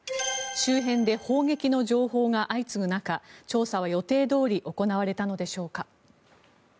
周辺で砲撃の情報が相次ぐ中調査は予定どおり行われたのでしょうか。